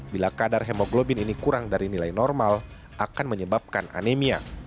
bila kadar hemoglobin ini kurang dari nilai normal akan menyebabkan anemia